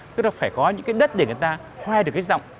tức là phải có những cái đất để người ta khoe được cái giọng